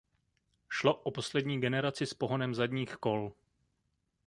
Šlo o poslední generaci s pohonem zadních kol.